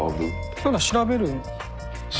そういうのは調べるんですか？